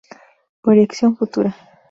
Proyección futura.